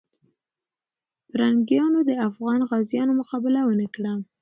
پرنګیانو د افغان غازیانو مقابله ونه کړه.